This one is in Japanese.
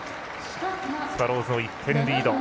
スワローズ１点リード。